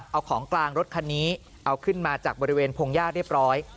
เอาของกลางรถคันนี้เอาขึ้นมาจากบริเวณพงหญ้าเรียบร้อย